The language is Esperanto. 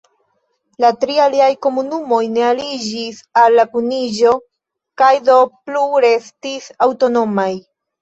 La tri aliaj komunumoj ne aliĝis al la kuniĝo kaj do plu restis aŭtonomaj.